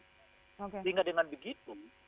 sehingga dengan begitu